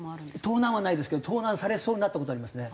盗難はないですけど盗難されそうになった事はありますね。